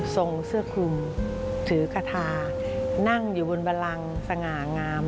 ส่งเสื้อคลุมถือคาทานั่งอยู่บนบรังสง่างาม